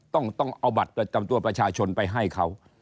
ต้องเอาบัตรประจำตัวประชาชนไปให้เขา